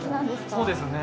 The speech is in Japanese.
そうですね。